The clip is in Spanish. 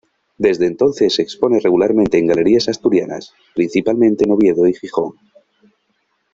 Desde entonces expone regularmente en galerías asturianas, principalmente en Oviedo y Gijón.